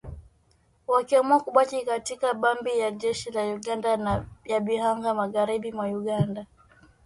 wakiamua kubaki katika kambi ya jeshi la Uganda ya Bihanga magharibi mwa Uganda